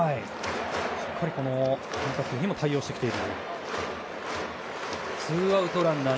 しっかり変化球にも対応してきている。